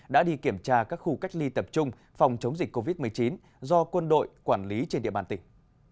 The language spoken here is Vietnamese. đã đi kiểm tra các khu cách ly tập trung phòng chống dịch covid một mươi chín do quân đội quản lý trên địa bàn tỉnh